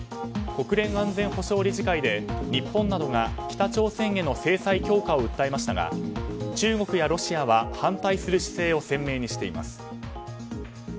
国連安全保障理事会で日本などが北朝鮮への制裁強化を訴えましたが中国やロシアは反対する姿勢を鮮明にしています。